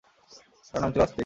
তার নাম ছিল আস্তিক।